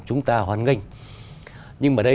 chúng ta hoan nghênh nhưng mà đây